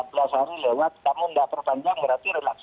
empat belas hari lewat kamu tidak perpanjang berarti relaksasi